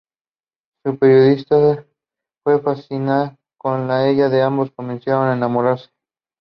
Seaweed is common close to shore.